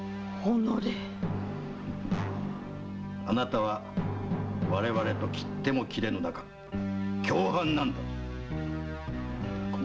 あなたは我々と切っても切れぬ仲共犯なんだ。